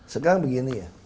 sekarang begini ya